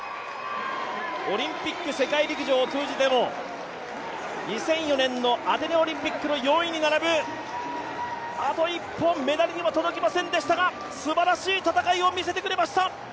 オリンピック、世界陸上を通じても２００４年のアテネオリンピックの４位に並ぶ、あと一歩メダルには届きませんでしたがすばらしい戦いを見せてくれました。